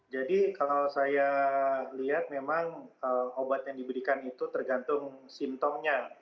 jadi kalau saya lihat memang obat yang diberikan itu tergantung simptomnya